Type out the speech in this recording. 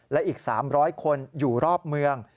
และอีก๓๐๐คนอยู่รอบเมือง